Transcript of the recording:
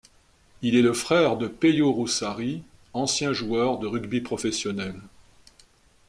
Il est le frère de Peyo Roussarie, ancien joueur de rugby professionnel.